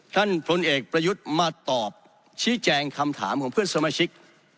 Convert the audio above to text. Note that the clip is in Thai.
พลเอกประยุทธ์มาตอบชี้แจงคำถามของเพื่อนสมาชิก